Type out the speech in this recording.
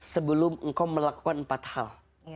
sebelum engkau melakukan empat hal